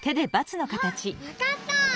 あわかった！